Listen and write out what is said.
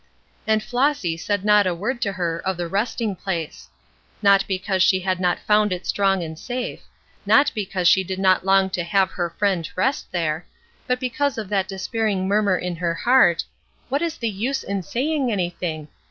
And Flossy said not a word to her of the resting place. Not because she had not found it strong and safe; not because she did not long to have her friend rest there, but because of that despairing murmur in her heart. "What is the use in saying anything?